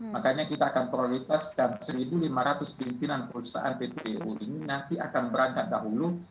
makanya kita akan prioritaskan satu lima ratus pimpinan perusahaan ptu ini nanti akan berangkat dahulu